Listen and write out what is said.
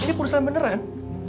ini perusahaan beneran